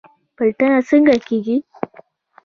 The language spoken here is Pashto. پلټنه څنګه کیږي؟